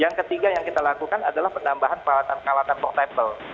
yang ketiga yang kita lakukan adalah penambahan peralatan peralatan portable